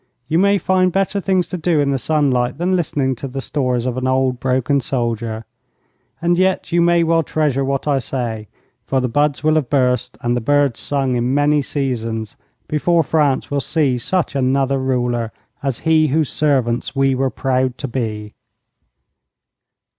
You may find better things to do in the sunlight than listening to the stories of an old, broken soldier. And yet you may well treasure what I say, for the buds will have burst and the birds sung in many seasons before France will see such another ruler as he whose servants we were proud to be.